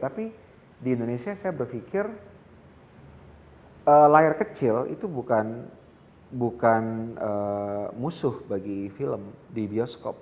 tapi di indonesia saya berpikir layar kecil itu bukan musuh bagi film di bioskop